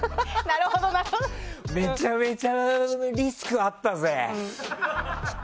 めちゃめちゃリスクあったぜ。